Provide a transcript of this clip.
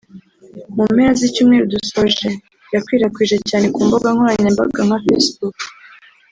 mu mpera z’icyumweru dusoje yakwirakwijwe cyane ku mbuga nkoranyambaga nka facebook